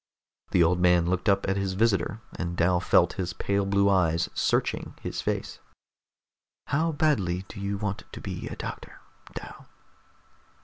The old man looked up at his visitor, and Dal felt his pale blue eyes searching his face. "How badly do you want to be a doctor, Dal?"